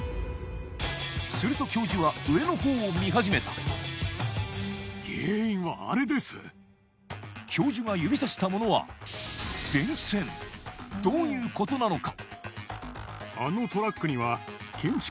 すると教授は上の方を見始めた教授が指さしたものは電線どういうことなのか？